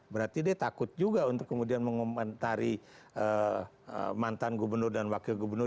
berarti dia takut juga untuk kemudian mengomentari mantan gubernur dan wakil gubernur